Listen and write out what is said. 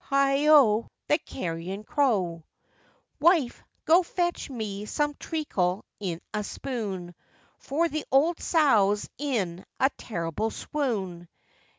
Heigho! the carrion crow. 'Wife, go fetch me some treacle in a spoon, For the old sow's in a terrible swoon!